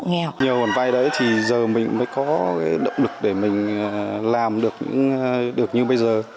nhiều khoản vay đấy thì giờ mình mới có cái động lực để mình làm được những được như bây giờ